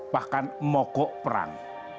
bahkan mogok perang